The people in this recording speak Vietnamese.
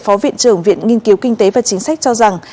phó viện trưởng viện nghiên cứu kinh tế và chính sách cho rằng